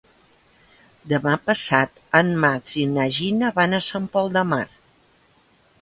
Demà passat en Max i na Gina van a Sant Pol de Mar.